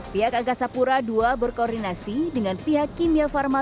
pihak agasapura ii berkoordinasi dengan pihak kimia pharma